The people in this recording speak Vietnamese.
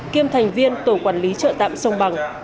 kiêm thành viên tổ quản lý chợ tạm sông bằng